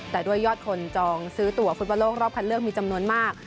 แต่ด้วยยอดคนจองซื้อตัวฟุตบอลโลกรอบคัดเลือกมีจำนวนมาก